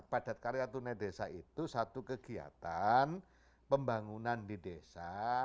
padat karya tunai desa itu satu kegiatan pembangunan di desa